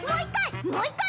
もう一回！